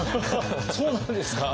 そうなんですか。